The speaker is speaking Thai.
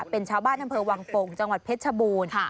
เป็นชาวบ้านอำเภอวังโป่งจังหวัดเพชรชบูรณ์